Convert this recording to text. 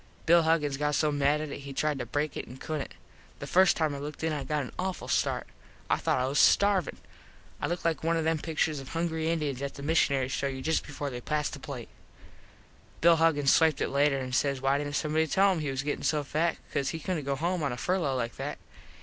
Bill Huggins got so mad at it he tried to break it and couldnt. The first time I looked in it I got an awful start. I thought I was starvin. I looked like one of them picturs of hungry Indiens that the mishunaries show you just before they pass the plate. Bill Huggins swiped it later and says why didnt somebody tell him he was gettin so fat cause he couldnt go home on a furlo like that.